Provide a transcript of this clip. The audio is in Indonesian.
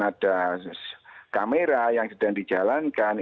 ada kamera yang sedang dijalankan